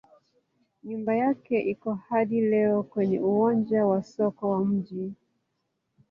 Nyumba yake iko hadi leo kwenye uwanja wa soko wa mji.